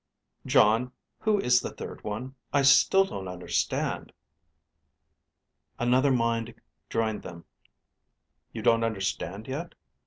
_ Jon, who is the third one? I still don't understand. Another mind joined them. _You don't understand yet?